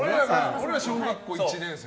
俺ら、小学校１年生。